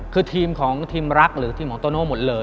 คือทีมของทีมรักหรือทีมของโตโน่หมดเลย